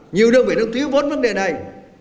nhiều đơn vị đang thiếu vốn vấn đề này